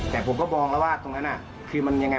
แต่ผมก็มองแล้วว่าตรงนั้นคือมันยังไง